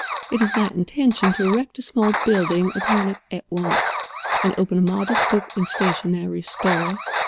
It is my intention to erect a small building upon it at once, and open a modest book and stationery store.